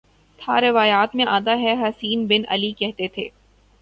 تھا روایات میں آتا ہے حسین بن علی کہتے تھے